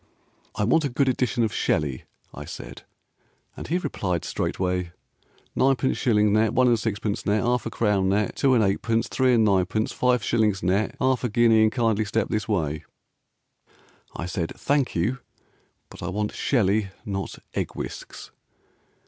"I want a good edition of Shelley," I said. And he replied straightway "Ninepenceshillingnetoneandsixpencenethalfa crownnettwoandeightpencethreeandnine pencefiveshillingsnethalfaguineaandkindly stepthisway." I said, "Thank you, But I want Shelley, Not egg whisks."